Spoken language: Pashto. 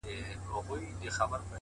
هره هڅه ځانګړی اثر لري’